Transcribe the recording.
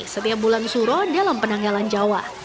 setiap bulan suro dalam penanggalan jawa